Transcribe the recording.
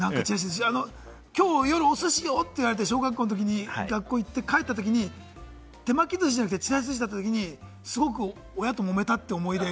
今日、夜お寿司よって言われて、小学校のときに学校行って帰ったときに、手巻き寿司じゃなくて、ちらし寿司だったときにすごく親ともめたっていう思い出。